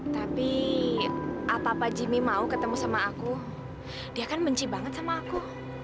kalo pak jimmy mau ketemu sama aku dia kan benci banget sama aku